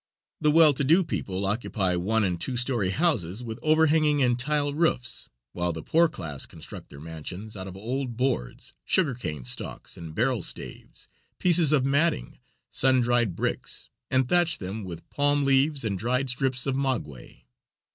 The well to do people occupy one and two story houses with overhanging and tile roofs, while the poor class construct their mansions out of old boards, sugar cane stalks, barrel staves, pieces of matting, sun dried bricks, and thatch them with palm leaves and dried strips of maguey.